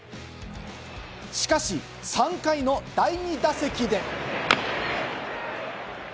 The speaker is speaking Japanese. しかし３回の第２打席で。